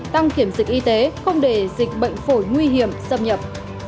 tăng kiểm dịch y tế không để dịch bệnh phổi nguy hiểm xâm nhập